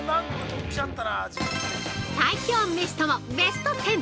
最強メシとも、ベスト１０。